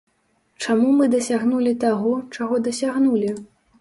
Чаму мы дасягнулі таго, чаго дасягнулі?